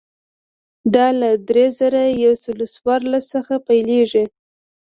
دا له درې زره یو سل څوارلس څخه پیلېږي.